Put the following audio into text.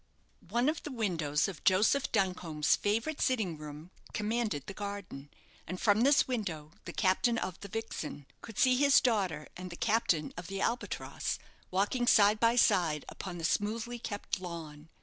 One of the windows of Joseph Duncombe's favourite sitting room commanded the garden; and from this window the captain of the "Vixen" could see his daughter and the captain of the "Albatross" walking side by side upon the smoothly kept lawn.